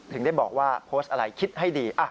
ถึงได้บอกว่าโพสต์อะไรคิดให้ดี